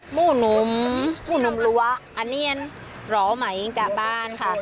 หมู่หนุ่มหมู่หนุ่มรั้วอันนี้ร้อหมายจากบ้านค่ะ